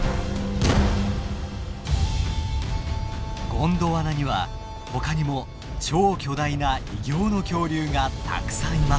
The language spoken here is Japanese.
ゴンドワナにはほかにも超巨大な異形の恐竜がたくさんいます。